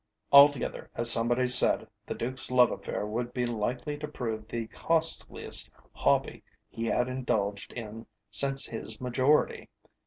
Altogether, as somebody said, the Duke's love affair would be likely to prove the costliest hobby he had indulged in since his majority.